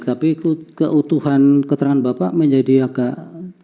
tapi keutuhan keterangan bapak menjadi agak